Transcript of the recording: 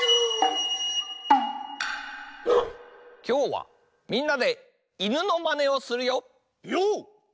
きょうはみんなで犬のまねをするよ。